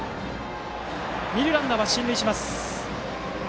二塁ランナーは進塁します。